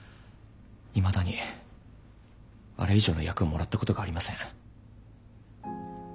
いまだにあれ以上の役をもらったことがありません。